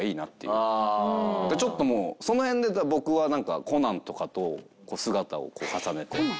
ちょっともうその辺で僕はコナンとかと姿を重ねて。